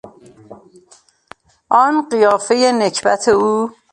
آن قیافهی نکبت او!